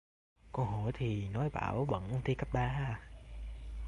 cô hỏi thì nói bảo bận ôn thi cấp ba